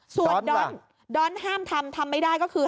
ส่วนดอนห้ามทำทำไม่ได้ก็คือ